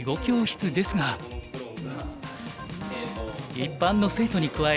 一般の生徒に加え